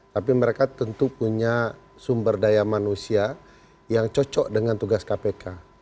tapi mereka tentu punya sumber daya manusia yang cocok dengan tugas kpk